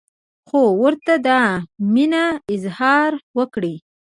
خو ورته دا مینه اظهار وکړه.